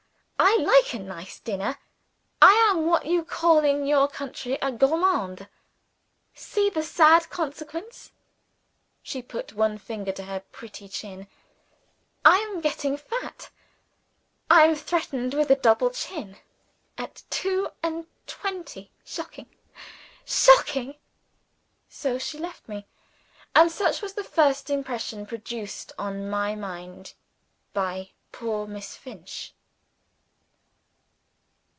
I like a nice dinner I am what you call in your country, gourmande. See the sad consequence!" She put one finger to her pretty chin. "I am getting fat! I am threatened with a double chin at two and twenty. Shocking! shocking!" So she left me. And such was the first impression produced on my mind by "Poor Miss Finch."